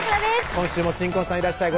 今週も新婚さんいらっしゃい！